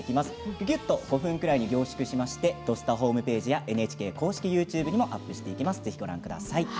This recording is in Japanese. ぎゅぎゅっと５分くらいに凝縮して「土スタ」ホームページやＮＨＫ公式ＹｏｕＴｕｂｅにアップします。